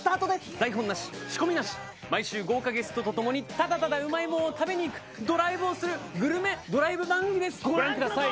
台本なし、仕込みなし、毎回豪華ゲストとともにただただうまいものを食べに行く、ドライブをする、グルメドライブ番組です。